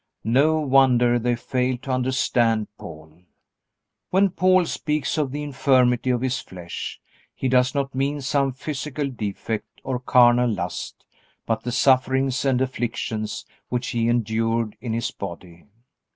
No wonder they failed to understand Paul. When Paul speaks of the infirmity of his flesh he does not mean some physical defect or carnal lust, but the sufferings and afflictions which he endured in his body.